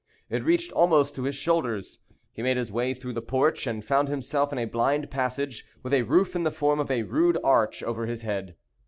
It reached almost to his shoulders. He made his way through the porch, and found himself in a blind passage, with a roof in the form of a rude arch over his head.